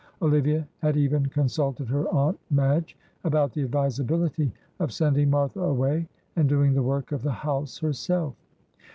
Olivia had even consulted her Aunt Madge about the advisability of sending Martha away and doing the work of the house herself.